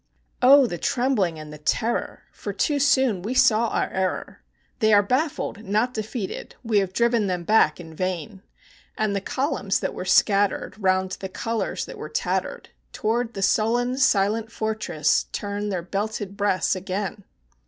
Oh the trembling and the terror! for too soon we saw our error: They are baffled, not defeated; we have driven them back in vain; And the columns that were scattered, round the colors that were tattered, Toward the sullen, silent fortress turn their belted breasts again.